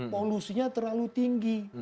polusinya terlalu tinggi